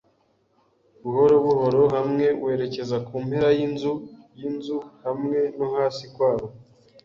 buhoro buhoro hamwe werekeza kumpera yinzu yinzu, hamwe no hasi kwabo